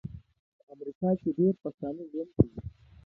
په امریکا کې ډیر پښتانه ژوند کوي